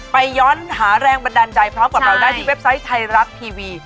ย้อนหาแรงบันดาลใจพร้อมกับเราได้ที่เว็บไซต์ไทยรัฐทีวี